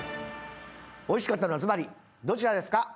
おいしかったのはずばりどちらですか？